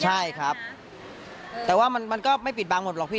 ใช่ครับแต่ว่ามันก็ไม่ปิดบางหมดหรอกพี่